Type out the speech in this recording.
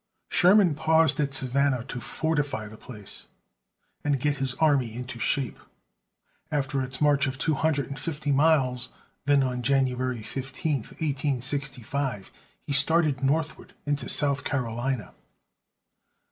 Sherman paused at Savannah to fortify the place and get his army into shape, after its march of two hundred and fifty miles; then, on January 15, 1865, he started northward into South Carolina.